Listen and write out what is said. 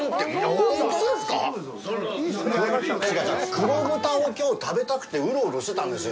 黒豚をきょう、食べたくて、うろうろしてたんですよ。